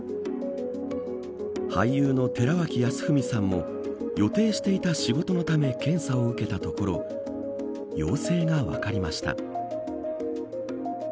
俳優の寺脇康文さんも予定していた仕事のため検査を受けたところ陽性が分かりました。